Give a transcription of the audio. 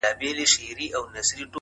زما خو ټوله زنده گي توره ده _